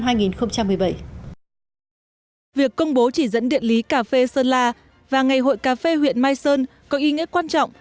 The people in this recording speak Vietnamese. việc công bố chỉ dẫn điện lý cà phê sơn la và ngày hội cà phê huyện mai sơn có ý nghĩa quan trọng